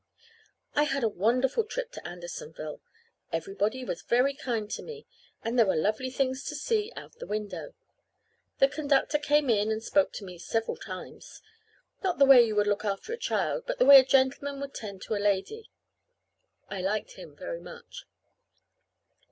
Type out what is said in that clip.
I had a wonderful trip to Andersonville. Everybody was very kind to me, and there were lovely things to see out the window. The conductor came in and spoke to me several times not the way you would look after a child, but the way a gentleman would tend to a lady. I liked him very much.